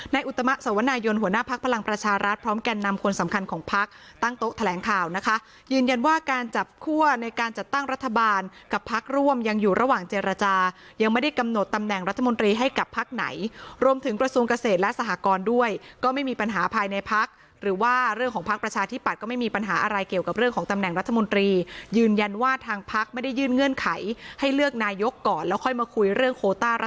ในอุตมะสวนายนหัวหน้าพักพลังประชารัฐพร้อมแก่นำคนสำคัญของพักตั้งโต๊ะแถลงข่าวนะคะยืนยันว่าการจับคั่วในการจัดตั้งรัฐบาลกับพักร่วมยังอยู่ระหว่างเจรจายังไม่ได้กำหนดตำแหน่งรัฐมนตรีให้กับพักไหนรวมถึงประสูงเกษตรและสหกรณ์ด้วยก็ไม่มีปัญหาภายในพักหรือว่าเรื่องข